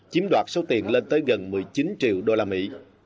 chiếm đoạt số tiền lên tới gần một mươi chín triệu đô la mỹ